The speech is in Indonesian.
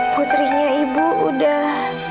putrinya ibu udah